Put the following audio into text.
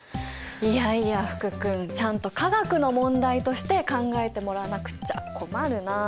いやいや福君ちゃんと化学の問題として考えてもらわなくっちゃ困るなあ。